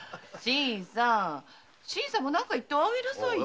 新さんも何か言っておあげなさいよ。